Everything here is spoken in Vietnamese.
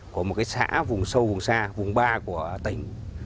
của một cái xã vùng sâu vùng xa vùng ba của tỉnh